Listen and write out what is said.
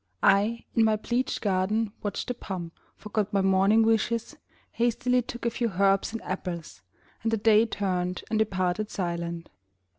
I, in my pleached garden, watched the pomp, Forgot my morning wishes, hastily Took a few herbs and apples, and the Day Turned and departed silent.